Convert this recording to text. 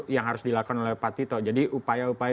yang harus dilakukan oleh pak tito jadi upaya upaya